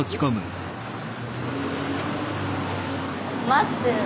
待ってる。